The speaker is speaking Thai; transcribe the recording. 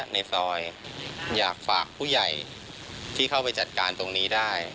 ในซอยอยากฝากผู้ใหญ่ที่เข้าไปจัดการตรงนี้ได้